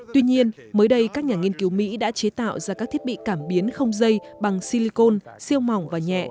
tuy nhiên mới đây các nhà nghiên cứu mỹ đã chế tạo ra các thiết bị cảm biến không dây bằng silicon siêu mỏng và nhẹ